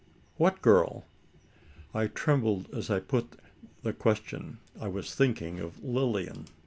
"What girl?" I trembled, as I put the question: I was thinking of Lilian.